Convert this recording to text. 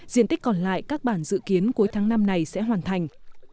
diện tích còn lại các bản dự kiến cuối tháng năm này sẽ hoàn thành